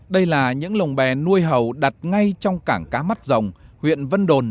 đây là những lồng bè nuôi hầu đặt ngay trong cảng cá mắt rồng huyện vân đồn